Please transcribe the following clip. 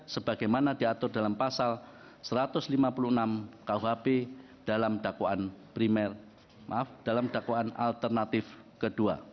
sebagaimana diatur dalam pasal satu ratus lima puluh enam khb dalam dakwaan alternatif ke dua